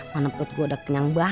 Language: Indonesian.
karena perut gue udah kenyang banget